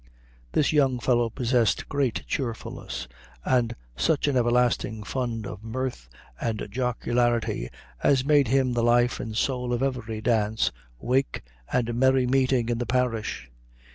This young fellow possessed great cheerfulness, and such an everlasting fund of mirth and jocularity, as made him the life and soul of every dance, wake, and merry meeting in the parish.